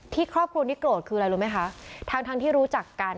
ครอบครัวนี้โกรธคืออะไรรู้ไหมคะทั้งทั้งที่รู้จักกัน